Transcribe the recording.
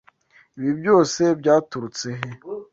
Ibi byose byaturutse he?